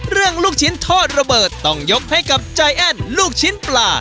เรื่องลูกชิ้นทอดระเบิดต้องยกให้กับลูกชิ้นปลา